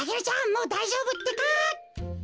もうだいじょうぶってか。